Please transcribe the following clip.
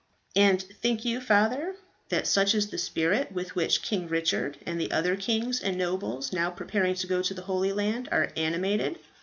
"And think you, Father, that such is the spirit with which King Richard and the other kings and nobles now preparing to go to the Holy Land are animated?"